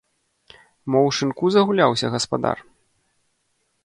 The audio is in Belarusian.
Мо ў шынку загуляўся гаспадар?